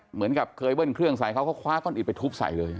เหมือนกับเคยเว่นเครื่องใสเค้าก็คว้าก้อนอิดไปทุบใส